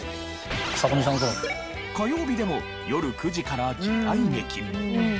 火曜日でも夜９時から時代劇。